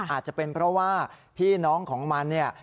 อาจจะเป็นเพราะว่าพี่น้องของมันเนี่ย